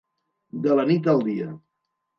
De la nit al dia.